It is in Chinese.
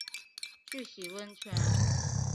去洗温泉